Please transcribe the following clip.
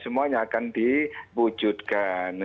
semuanya akan diwujudkan